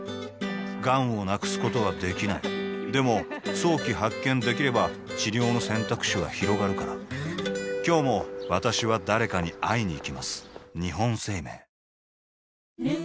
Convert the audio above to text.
がんを無くすことはできないでも早期発見できれば治療の選択肢はひろがるから今日も私は誰かに会いにいきます